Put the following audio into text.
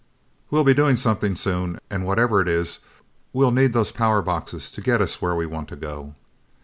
We'll be doing something soon, and whatever it is, we'll need those power boxes to get us where we want to go."